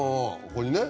ここにね。